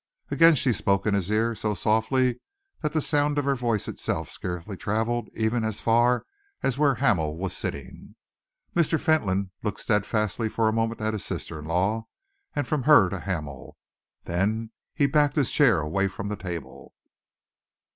Again she spoke in his ear, so softly that the sound of her voice itself scarcely travelled even as far as where Hamel was sitting. Mr. Fentolin looked steadfastly for a moment at his sister in law and from her to Hamel. Then he backed his chair away front the table.